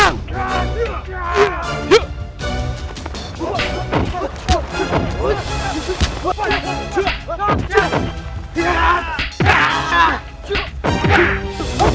malaikat mencabut nyawa kalian